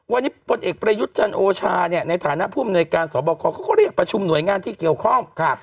วันนี้บทเอกประยุทธ์จันทร์โอชาเนี่ยในฐานะภูมิในการสอบบอกของเขาก็เรียกประชุมหน่วยงานที่เกี่ยวข้องครับ